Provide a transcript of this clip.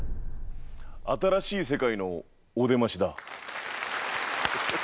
新しい世界のおでましだ。